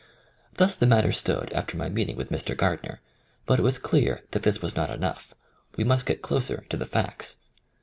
Thus the matter stood after my meeting with Mr. Gardner, but it was clear that this was not enough. We must get closer to the facts.